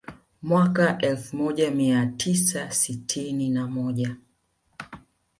Y mwaka Elfu moja mia tisa sitini na moja